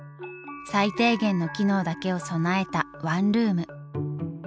最低限の機能だけを備えたワンルーム。